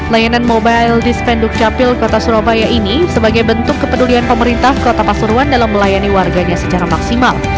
layanan mobile dispenduk capil kota surabaya ini sebagai bentuk kepedulian pemerintah kota pasuruan dalam melayani warganya secara maksimal